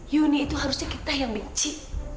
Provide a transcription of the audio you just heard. yuni itu harusnya kita yang benci